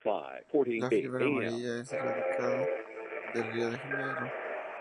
La fiebre amarilla es erradicada de Río de Janeiro.